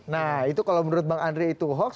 nah itu kalau menurut bang andre itu hoax